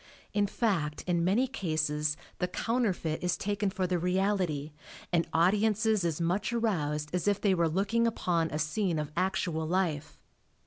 In fact in many cases the counterfeit is taken for the reality and audiences as much aroused as if they were looking upon a scene of actual life.